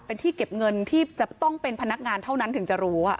เป็นที่เก็บเงินที่จะต้องเป็นพนักงานเท่านั้นถึงจะรู้